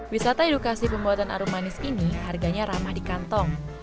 wisata edukasi pembuatan aru manis ini harganya ramah di kantong